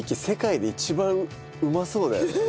世界で一番うまそうだよね。